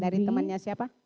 dari temannya siapa